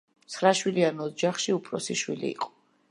ცხრა შვილიან ოჯახში უფროსი იყო.